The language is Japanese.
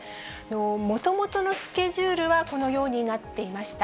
もともとのスケジュールはこのようになっていました。